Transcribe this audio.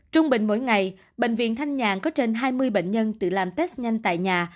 trung bình mỗi ngày bệnh viện thanh nhàn có trên hai mươi bệnh nhân tự làm test nhanh tại nhà